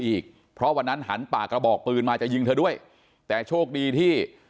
อีกเพราะวันนั้นหันปากกระบอกปืนมาจะยิงเธอด้วยแต่โชคดีที่